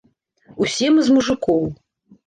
Усе мы з мужыкоў.